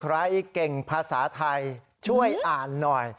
ใครเก่งภาษาไทยช่วยอ่านหน่อย